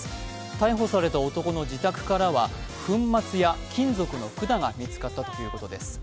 逮捕された男の自宅からは粉末や金属の管が見つかったということです。